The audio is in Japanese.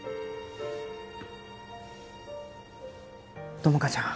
友果ちゃん